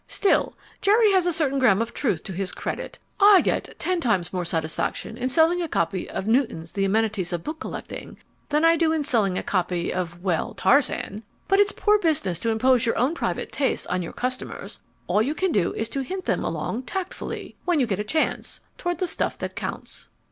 Still, Jerry has a certain grain of truth to his credit. I get ten times more satisfaction in selling a copy of Newton's The Amenities of Book Collecting than I do in selling a copy of well, Tarzan; but it's poor business to impose your own private tastes on your customers. All you can do is to hint them along tactfully, when you get a chance, toward the stuff that counts.